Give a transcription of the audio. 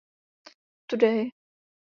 Today.